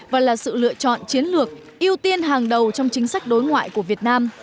và là sự lựa chọn chiến lược ưu tiên hàng đầu trong chính sách đối ngoại của việt nam